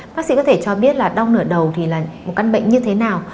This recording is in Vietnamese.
bác sĩ có thể cho biết là đau nửa đầu thì là một căn bệnh như thế nào